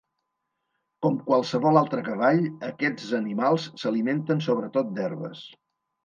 Com qualsevol altre cavall, aquests animals s'alimenten sobretot d'herbes.